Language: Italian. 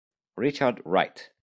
Richard Wright